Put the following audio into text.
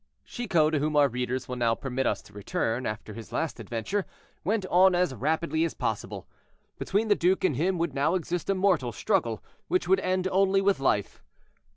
Chicot, to whom our readers will now permit us to return, after his last adventure, went on as rapidly as possible. Between the duke and him would now exist a mortal struggle, which would end only with life.